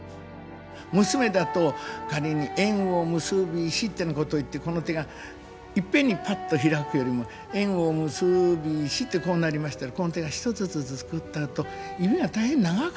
娘だと仮に「縁を結びし」ってなこと言ってこの手がいっぺんにパッと開くよりも「縁を結びし」ってこうなりましたらこの手が一つずつ作ったあと指が大変長く感じる。